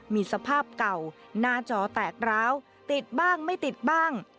มีสภาพเก่าหน้าจอแตกร้าวติดบ้างไม่ติดบ้าง